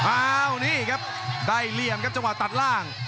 อ้าวนี่ครับได้เหลี่ยมครับจังหวะตัดล่าง